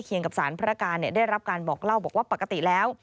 เสียงได้รับประกาศอ่ะ